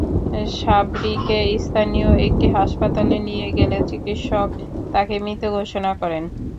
সাবরিকে স্থানীয় একটি হাসপাতালে নিয়ে গেলে চিকিৎসক তাঁকে মৃত ঘোষণা করেন।